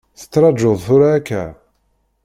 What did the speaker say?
Tettrajuḍ tura akka?